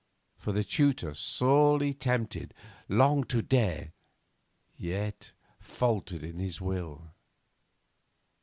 For the tutor, sorely tempted, longed to dare, yet faltered in his will.